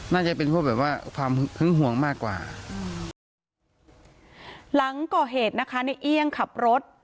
น่าจะเป็นพวกแบบว่าความหึงห่วงมากกว่าอืมหลังก่อเหตุนะคะในเอี่ยงขับรถ